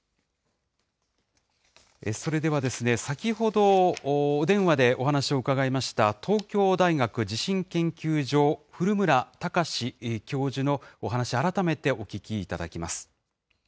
それでは先ほどお電話でお話を伺いました、東京大学地震研究所、古村孝志教授のお話、改めてお聞きいただきます。